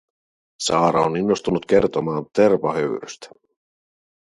Saara on innostunut kertomaan tervahöyrystä.